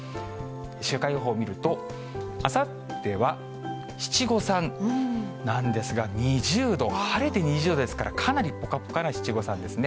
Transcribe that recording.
週間予報を見ると、あさっては七五三なんですが、２０度、晴れて２０度ですから、かなりぽかぽかな七五三ですね。